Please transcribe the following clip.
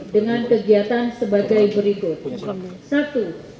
dengan kegiatan sebagai berikut